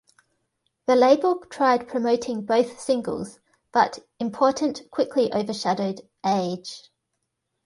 The label tried promoting both singles, but "Important" quickly overshadowed "Age".